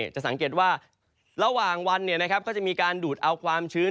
จะสังเกตว่าระหว่างวันก็จะมีการดูดเอาความชื้น